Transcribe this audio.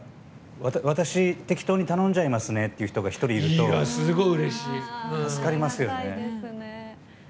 私、適当に頼んじゃいますねって人が１人いると、助かりますよね。